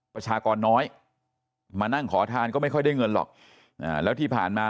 ประชากรน้อยมานั่งขอทานก็ไม่ค่อยได้เงินหรอกแล้วที่ผ่านมา